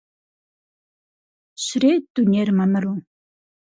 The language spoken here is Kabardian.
Щрет дунейр мамыру!